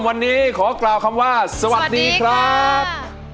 วันนี้ขอกล่าวคำว่าสวัสดีครับ